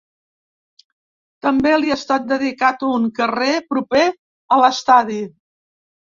També li ha estat dedicat un carrer proper a l'estadi.